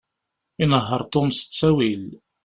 Inehheṛ Tom s ttawil.